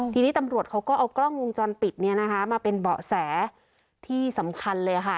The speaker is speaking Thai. ทีนี้ตำรวจเขาก็เอากล้องวงจรปิดเนี่ยนะคะมาเป็นเบาะแสที่สำคัญเลยค่ะ